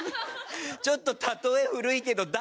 ちょっと例え古いけど「だ